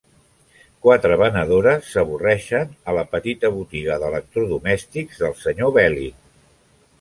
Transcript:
Quatre venedores s'avorreixen a la petita botiga d'electrodomèstics del senyor Belin.